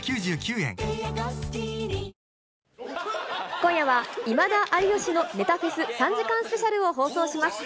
今夜は、今田・有吉のネタフェス３時間スペシャルを放送します。